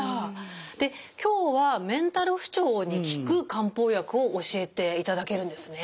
で今日はメンタル不調に効く漢方薬を教えていただけるんですね？